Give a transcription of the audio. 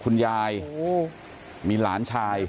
คุณยายมีหลานชาย